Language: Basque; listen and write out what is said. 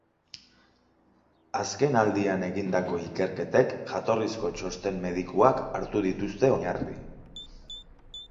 Azken aldian egindako ikerketek jatorrizko txosten-medikuak hartu dituzte oinarri.